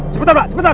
cepetan lah cepetan